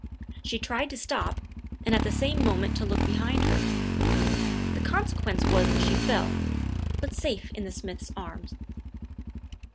She tried to stop, and the same moment to look behind her. The consequence was that she fell but safe in the smith's arms.